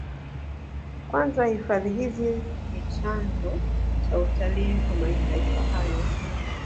Kwanza hifadhi hizi ni chanzo cha utalii kwa mataifa hayo